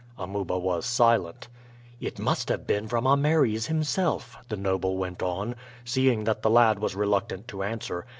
Amuba was silent. "It must have been from Ameres himself," the noble went on, seeing that the lad was reluctant to answer.